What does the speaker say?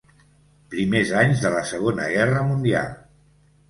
Primers anys de la Segona Guerra Mundial.